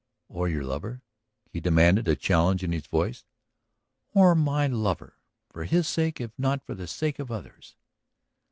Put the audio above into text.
..." "Or your lover?" he demanded, a challenge in his voice. "Or my lover. For his sake if not for the sake of others."